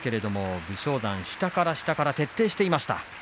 武将山、下から下から徹底していました。